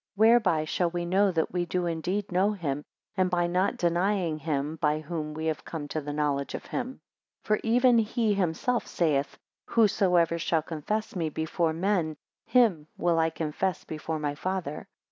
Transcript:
9 Whereby shall we show that we do indeed know him, and by not denying him by whom we have come to the knowledge of him. 10 For even he himself saith, Whosoever shall confess me before men, him will I confess before my Father.